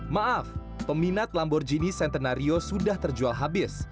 maaf peminat lamborghini centenario sudah terjual habis